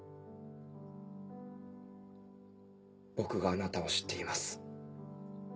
僕があなたを知っています。